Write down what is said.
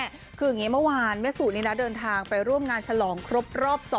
คืออย่างนี้เมื่อวานแม่สุนี่นะเดินทางไปร่วมงานฉลองครบรอบ๒